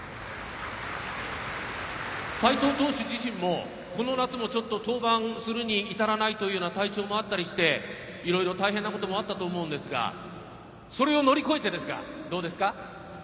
斎藤投手自身もこの夏もちょっと登板するに至らないというような体調もあったりしていろいろ大変なこともあったと思うんですがそれを乗り越えてですがどうですか？